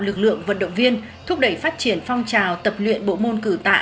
lực lượng vận động viên thúc đẩy phát triển phong trào tập luyện bộ môn cử tạ